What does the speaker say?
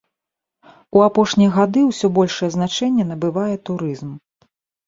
У апошнія гады ўсё большае значэнне набывае турызм.